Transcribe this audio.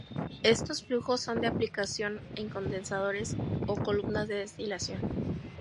Estos flujos son de aplicación en condensadores o columnas de destilación.